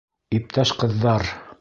Иптәш ҡыҙҙар!